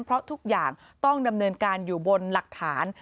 เพราะทุกอย่างต้องดำเนินการอยู่บนหลักฐาน